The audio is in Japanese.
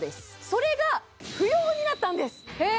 それが不要になったんですへえ！